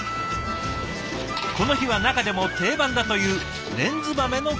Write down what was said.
この日は中でも定番だというレンズ豆のカレー。